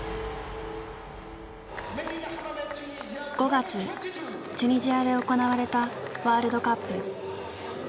５月チュニジアで行われたワールドカップ。